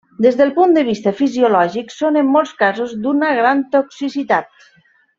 Des del punt de vista fisiològic, són en molts casos d'una gran toxicitat.